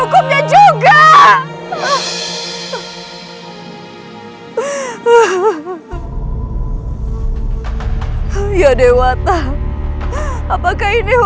jangan kembali lagi selamanya kesini